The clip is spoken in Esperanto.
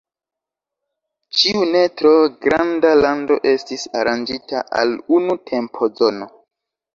Ĉiu ne tro granda lando estis aranĝita al unu tempozono.